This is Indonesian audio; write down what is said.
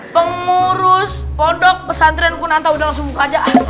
pengurus pondok pesantren kunanta udah langsung buka aja